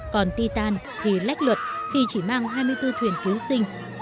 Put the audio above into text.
còn titan thì lách luật khi chỉ mang hai mươi bốn thuyền cứu sinh